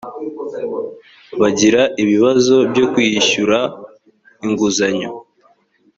bagira ibibazo byo kwishyura inguzanyo